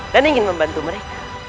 dan ingin membantu mereka